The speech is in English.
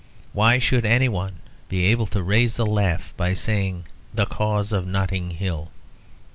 Why should any one be able to raise a laugh by saying 'the Cause of Notting Hill'?